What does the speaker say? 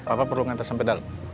apa perlu saya mengantar sampai dalam